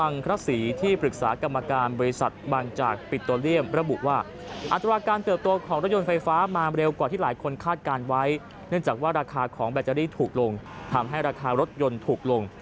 เนื่องจากว่าราคาของแบตเตอรี่ถูกลงทำให้ราคารถยนต์ถูกลง